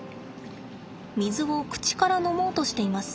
水を口から飲もうとしています。